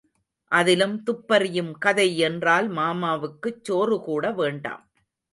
அதிலும் துப்பறியும் கதை என்றால் மாமாவுக்குச் சோறுகூட வேண்டாம்.